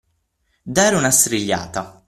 Dare una strigliata.